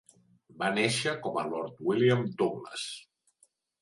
Va néixer com a Lord William Douglas.